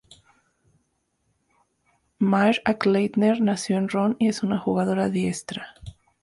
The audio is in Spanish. Mayr-Achleitner nació en Ron y es una jugadora diestra.